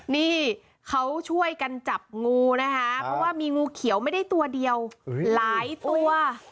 นี่เขาช่วยกันจับงูนะคะเพราะว่ามีงูเขียวไม่ได้ตัวเดียวหลายตัว